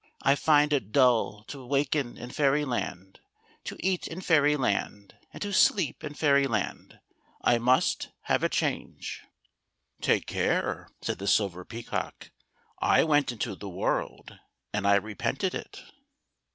I find it dull to waken in Fairyland, to eat in Fair^ land, and to sleep in Fairyland. I must have a change." 4S THE GOLDEN HEN. " Take care," said the Silver Peacock ;" I went Into the world and I repented it."